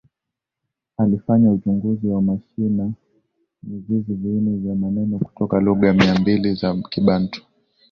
Alifanya uchunguzi wa mashina mizizi viini vya maneno kutoka lugha Mia mbili za Kibantu